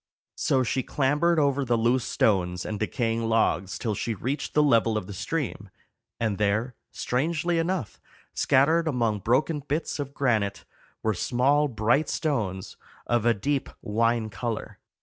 So she clambered over the loose stones and decaying logs till she reached the level of the stream, and there, strangely enough, scattered among broken bits of granite, were small bright stones of a deep wine color.